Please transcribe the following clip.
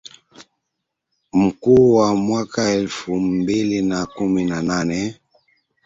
mkuu wa mwaka elfu mbili na kumi na nane